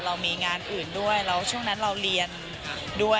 เรามีงานอื่นด้วยแล้วช่วงนั้นเราเรียนด้วย